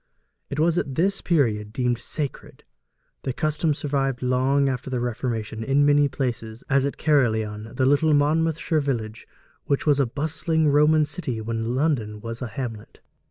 It was at this period deemed sacred. The custom survived long after the Reformation in many places, as at Caerleon, the little Monmouthshire village which was a bustling Roman city when London was a hamlet.